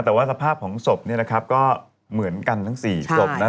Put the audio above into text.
แต่ว่าสภาพของศพเนี่ยนะครับก็เหมือนกันทั้ง๔ศพนะ